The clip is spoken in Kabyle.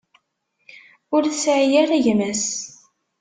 Ur tesɛi ara gma-s.